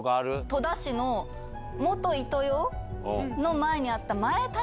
戸田市の元イトヨの前にあった。